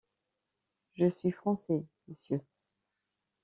Je suis Français, monsieur!...